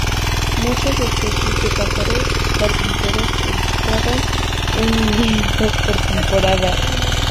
Muchas especies de pájaro carpintero excavan un nido por temporada.